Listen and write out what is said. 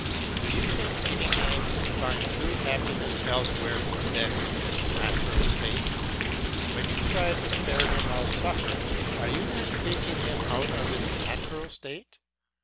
Do you think any man can find true happiness elsewhere than in his natural state; and when you try to spare him all suffering, are you not taking him out of his natural state?